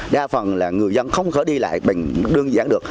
đa phần là người dân không có đi lại mình đơn giản được